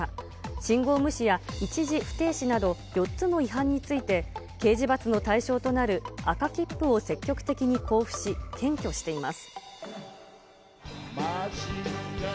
信号無視や一時不停止など、４つの違反について、刑事罰の対象となる赤切符を積極的に交付し、検挙しています。